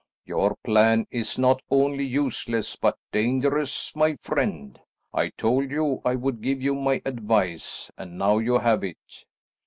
"Your plan is not only useless, but dangerous, my friend. I told you I would give you my advice, and now you have it.